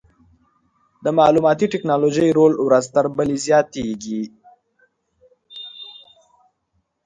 د معلوماتي ټکنالوژۍ رول ورځ تر بلې زیاتېږي.